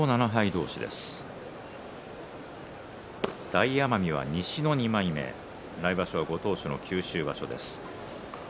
大奄美は西の２枚目来場所、ご当所の九州場所です。